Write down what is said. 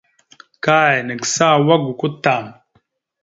Kay nagsáawak gokwa tam.